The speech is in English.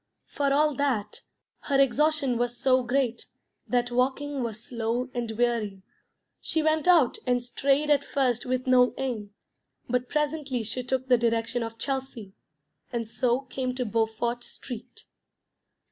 For all that her exhaustion was so great that walking was slow and weary, she went out and strayed at first with no aim; but presently she took the direction of Chelsea, and so came to Beaufort Street.